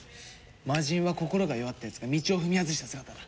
魔人は心が弱った奴が道を踏み外した姿だ。